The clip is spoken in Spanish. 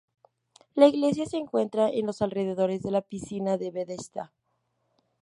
La iglesia se encuentra en los alrededores de la Piscina de Bethesda.